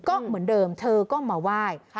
ก็เหมือนเดิมเธอก็มาไหว้